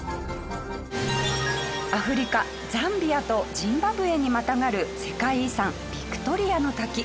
アフリカザンビアとジンバブエにまたがる世界遺産ビクトリアの滝。